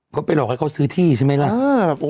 เขาไปหลอกให้เขาซื้อที่ใช่ไหมล่ะ